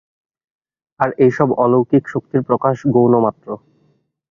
আর এইসব অলৌকিক শক্তির প্রকাশ গৌণমাত্র।